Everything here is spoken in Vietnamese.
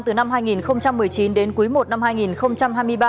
từ năm hai nghìn một mươi chín đến cuối một năm